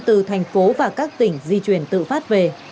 từ thành phố và các tỉnh di chuyển tự phát về